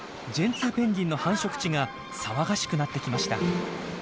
ジェンツーペンギンの繁殖地が騒がしくなってきました。